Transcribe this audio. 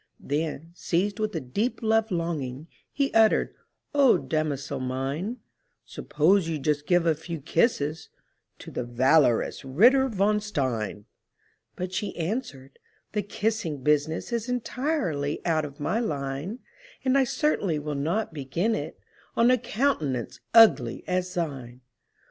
Then, seized with a deep love longing, He uttered, "O damosel mine, Suppose you just give a few kisses To the valorous Ritter von Stein!" But she answered, "The kissing business Is entirely out of my line; And I certainly will not begin it On a countenance ugly as thine!"